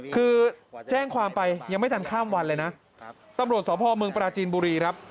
คือแจ้งความไปยังไม่ทันข้ามวันเลยนะตำรวจสพเมืองปราจีนบุรีครับ